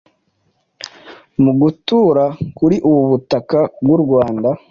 Mu gutura kuri ubu butaka bw’u Rwanda,